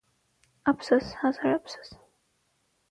Ափսոս, հազար ափսոս…